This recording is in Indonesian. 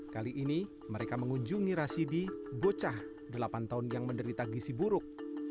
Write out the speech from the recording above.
kali ini mereka mengunjungi rasidi bocah delapan tahun yang menderita gisi buruk